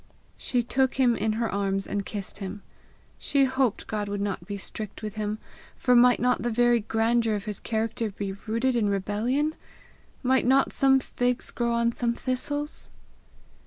She took him in her arms and kissed him. She hoped God would not be strict with him, for might not the very grandeur of his character be rooted in rebellion? Might not some figs grow on some thistles?